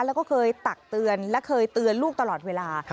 แล้วก็เคยตักเตือนและเคยเตือนลูกตลอดเวลา